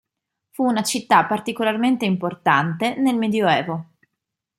Fu una città particolarmente importante nel medioevo.